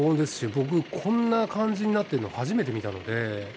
僕、こんな感じになってるの初めて見たので。